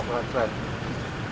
kemudian juga karena ibu positif